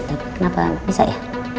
tapi kenapa bisa ya